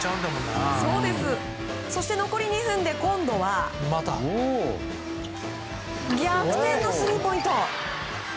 そして残り２分で今度は逆転のスリーポイント。